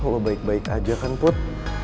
kalau baik baik aja kan put